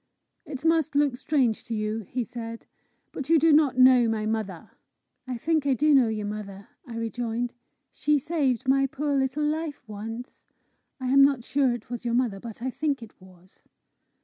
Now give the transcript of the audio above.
"It must look strange to you," he said; "but you do not know my mother!" "I think I do know your mother," I rejoined. "She saved my poor little life once. I am not sure it was your mother, but I think it was."